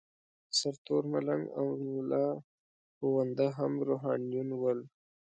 سرتور ملنګ او ملاپوونده هم روحانیون ول.